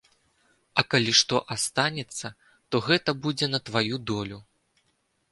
А калі што астанецца, то гэта будзе на тваю долю.